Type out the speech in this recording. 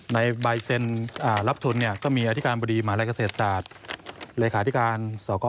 ในใบเซ็นรับทุนเนี่ยก็มีอธิคารบดีหมายไรกเศษศาสตร์